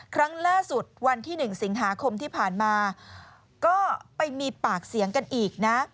ครั้งล่าสุดวันที่๑สิงหาคมที่ผ่านมาก็ไปมีปากเสียงกันอีกนะ